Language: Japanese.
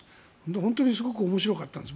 本当にすごく面白かったんです。